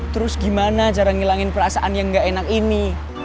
terus gimana cara ngilangin perasaan yang gak enak ini